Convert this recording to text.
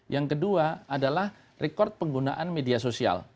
yang kedua adalah rekod penggunaan media sosial